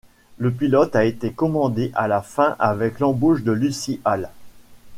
Le pilote a été commandé à la fin avec l'embauche de Lucy Hale.